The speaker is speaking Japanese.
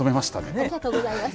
ありがとうございます。